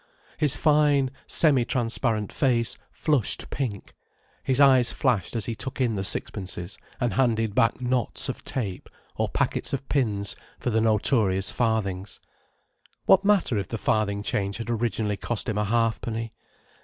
His fine, semi transparent face flushed pink, his eyes flashed as he took in the sixpences and handed back knots of tape or packets of pins for the notorious farthings. What matter if the farthing change had originally cost him a halfpenny!